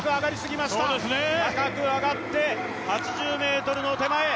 高く上がって、８０ｍの手前。